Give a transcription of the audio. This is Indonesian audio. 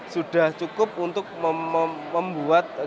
sudah cukup untuk membuat